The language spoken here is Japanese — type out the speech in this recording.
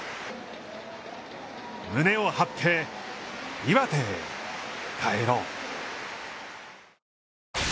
胸を張って岩手へ帰ろう。